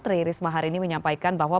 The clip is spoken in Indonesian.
tri risma harini menyampaikan bahwa